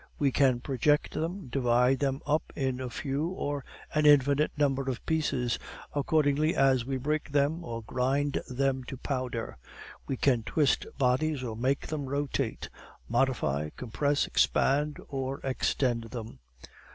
We can project them, divide them up in a few or an infinite number of pieces, accordingly as we break them or grind them to powder; we can twist bodies or make them rotate, modify, compress, expand, or extend them.